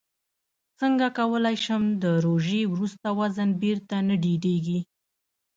څنګه کولی شم د روژې وروسته وزن بېرته نه ډېرېږي